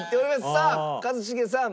さあ一茂さん。